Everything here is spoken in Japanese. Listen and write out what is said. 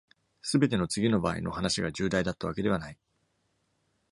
すべての「次の場合」の話が重大だったわけではない。